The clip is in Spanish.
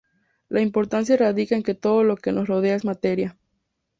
La importancia radica en que todo lo que nos rodea es materia.